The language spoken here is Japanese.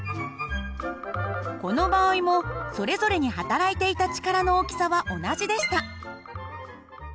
この場合もそれぞれにはたらいていた力の大きさは同じでした。